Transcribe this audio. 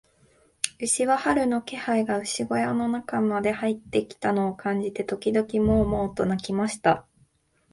牛は、春の気配が牛小屋の中にまで入ってきたのを感じて、時々モウ、モウと鳴きました。